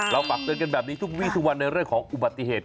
เราปรับเจอกันแบบนี้ทุกวิทย์ทุกวันในเรื่องของอุบัติเหตุ